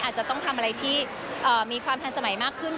อาจจะต้องทำอะไรที่มีความทันสมัยมากขึ้น